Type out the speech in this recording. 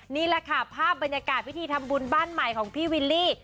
นี่แหละค่ะภาพบรรยากาศพิธีทำบุญบ้านใหม่ของพี่วิลลี่